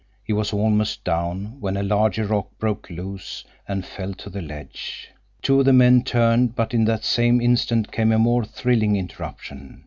He was almost down when a larger rock broke loose, and fell to the ledge. Two of the men turned, but in that same instant came a more thrilling interruption.